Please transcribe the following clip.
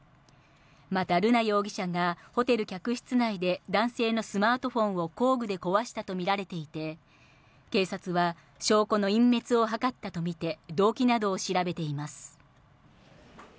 また瑠奈容疑者が、ホテル客室内で男性のスマートフォンを工具で壊したと見られていて、警察は証拠の隠滅を図ったと見て、動機などを調べています。